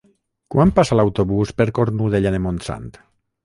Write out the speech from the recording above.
Quan passa l'autobús per Cornudella de Montsant?